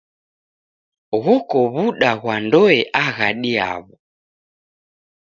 Ghoko w'uda ghwa ndoe aghadi yaw'o.